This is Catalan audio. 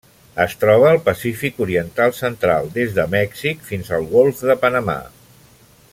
Es troba al Pacífic oriental central: des de Mèxic fins al Golf de Panamà.